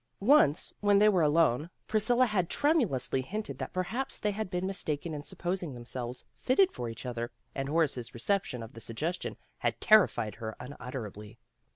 Once, when they were alone, Pris cilla had tremulously hinted that perhaps they had been mistaken in supposing themselves fitted for each other, and Horace's reception of the suggestion had terrified her unutterably.